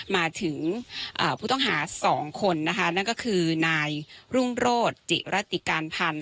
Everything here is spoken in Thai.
มาถึงผู้ต้องหา๒คนนะคะนั่นก็คือนายรุ่งโรธจิรัติการพันธ์